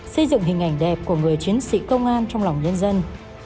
xây dựng hình ảnh đẹp của người chiến sĩ công an trong lòng nhân dân